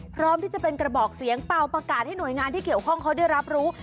พร้อมที่จะเป็นกระบอกเสียงเป่าประกาศให้หน่วยงานที่เกี่ยวข้องเขาได้รับรู้